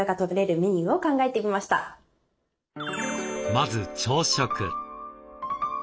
まず朝食。